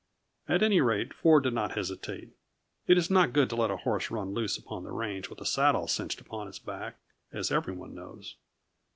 At any rate Ford did not hesitate. It is not good to let a horse run loose upon the range with a saddle cinched upon its back, as every one knows.